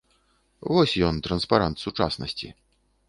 Вось ён транспарант сучаснасці.